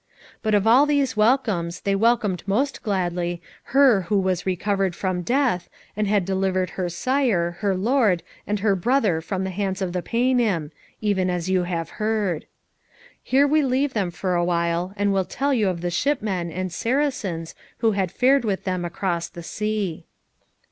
But of all these welcomes they welcomed most gladly her who was recovered from death, and had delivered her sire, her lord, and her brother from the hands of the Paynim, even as you have heard. There we leave them for awhile, and will tell you of the shipmen and Saracens who had fared with them across the sea.